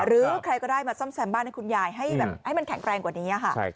หรือใครก็ได้มาซ่อมแซมบ้านให้คุณยายให้มันแข็งแรงกว่านี้ค่ะ